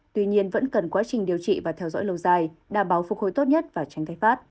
tuy nhiên vẫn cần quá trình điều trị và theo dõi lâu dài đảm bảo phục hồi tốt nhất và tránh thai phát